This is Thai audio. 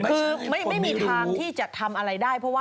คือไม่มีทางที่จะทำอะไรได้เพราะว่า